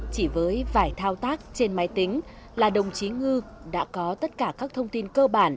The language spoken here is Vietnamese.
chỉ với vài thao tác trên máy tính là đồng chí ngư đã có tất cả các thông tin cơ bản